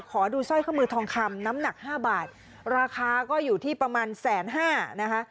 ขอดูสร้อยข้อมือทองคำน้ำหนักห้าบาทราคาก็อยู่ที่ประมาณแสนห้านะคะ